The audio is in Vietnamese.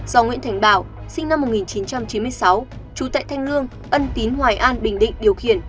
do nguyễn thành bảo sinh năm một nghìn chín trăm chín mươi sáu trú tại thanh lương ân tín hoài an bình định điều khiển